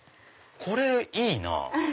これいいなぁ。